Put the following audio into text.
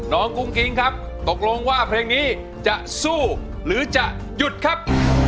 กุ้งกิ๊งครับตกลงว่าเพลงนี้จะสู้หรือจะหยุดครับ